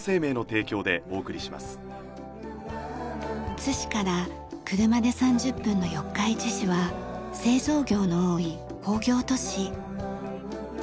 津市から車で３０分の四日市市は製造業の多い工業都市。